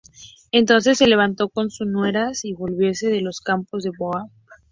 Entonces se levantó con sus nueras, y volvióse de los campos de Moab